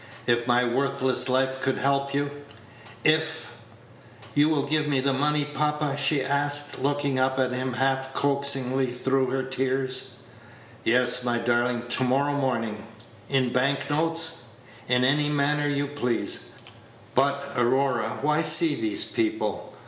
If my worthless life could help you; if " Page 98 "You will give me the money, papa?" she asked, looking up at him half coaxingly through her tears. "Yes, my darling, to morrow morning." "In bank notes?" "In any manner you please. But, Aurora, why see these people?